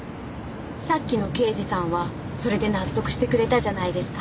さっきの刑事さんはそれで納得してくれたじゃないですか。